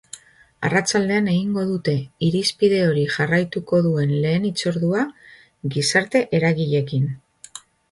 Arratsaldean egingo dute irizpide hori jarraituko duen lehen hitzordua, gizarte eragileekin.